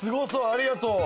ありがとう。